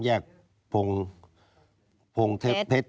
แยกพงเพชร